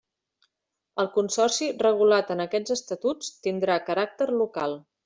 El Consorci regulat en aquests estatuts tindrà caràcter local.